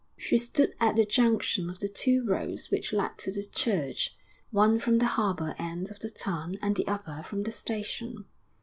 She stood at the junction of the two roads which led to the church, one from the harbour end of the town and the other from the station.